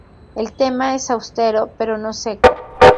El tema es austero, pero no seco.